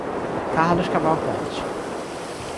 Carlos Cavalcante